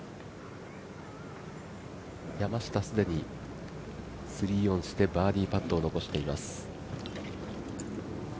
山下、既に３オンしてバーディーパットを残しています。